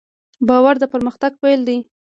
باور د پرمختګ پیل دی.